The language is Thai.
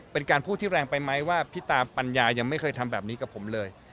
เป็นการพูดที่แรงไปไหมว่าพี่ตาปัญญายังไม่เคยทำแบบนี้กับผมเลย